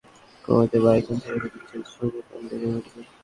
মেদ কমাতেশরীরের বাড়তি মেদ কমাতে বাইকম থেরাপি দিচ্ছে ঝুমু খান লেজার মেডিকেল।